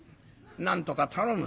「なんとか頼む」。